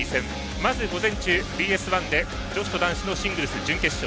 まず、午前中、ＢＳ１で女子と男子のシングルス準決勝。